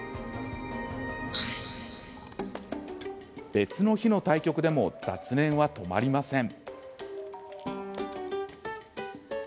別の日の対局でも雑念は止まりません。